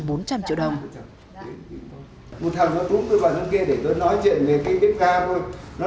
một thằng nó cúm tôi vào trong kia để tôi nói chuyện về cái bếp ga của tôi